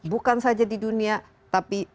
bukan saja di dunia tapi